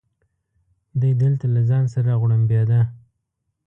دی دلته له ځان سره غوړمبېده.